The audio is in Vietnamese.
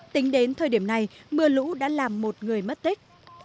tính đến thời điểm này mưa lũ đã làm một người mất tích